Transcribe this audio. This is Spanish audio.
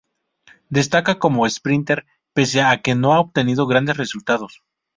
Destaca como sprinter, pese a que no ha obtenido grandes resultados.